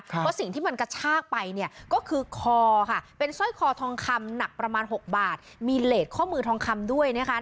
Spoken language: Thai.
เพราะสิ่งที่มันกระชากไปเนี่ยก็คือคอค่ะเป็นสร้อยคอทองคำหนักประมาณ๖บาทมีเลสข้อมือทองคำด้วยนะคะ